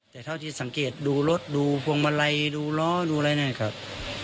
แต่เท่าที่สังเกตดูรถดูพวงมาลัยดูล้อดูอะไรนะครับ